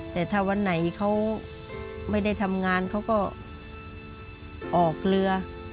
แต่ถ้าวันไหนเขาไม่ได้ทำงานเขาก็ออกเรือ